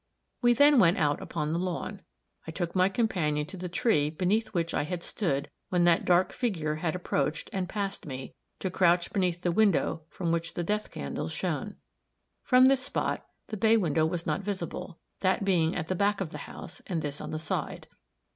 We then went out upon the lawn. I took my companion to the tree beneath which I had stood, when that dark figure had approached, and passed me, to crouch beneath the window from which the death candles shone. From this spot, the bay window was not visible, that being at the back of the house and this on the side.